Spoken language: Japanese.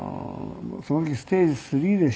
その時ステージⅢでしょ。